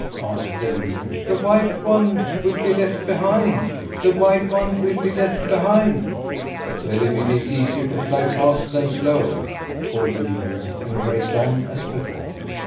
asked the leader. "The white one will be left behind; the white one will be left behind." "Tell him it's easier to fly fast than slow!" called the leader, and raced on as before.